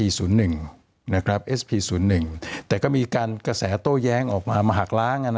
เรียกว่ามีการกระแสโต๊ะแย้งมาหอกล้าง